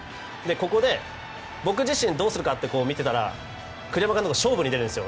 ここで僕自身、どうするかと見ていたら栗山監督、勝負に出るんです。